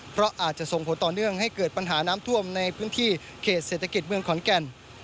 เพราะอาจจะส่งผลต่อเนื่องให้เกิดปัญหาน้ำท่วมในพื้นที่เขตเศรษฐกิจเมืองขอนแก่น